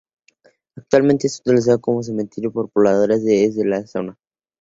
Actualmente es utilizado como cementerio por pobladores de la zona.